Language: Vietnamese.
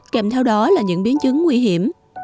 kèm theo đó là những biến chứng nguy hiểm